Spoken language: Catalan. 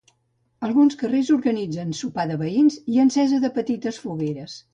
Alguns carrers organitzen sopar de veïns i encesa de petites fogueres.